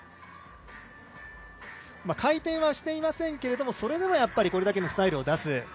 回転はしていませんけど、それでもこれだけのスタイルを出す。